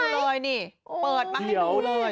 เลยนี่เปิดมาให้ดูเลย